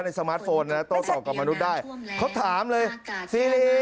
ในสมาร์ทโฟนเนี่ยโตต่อกับมนุษย์ได้ครบถามเลยซีรี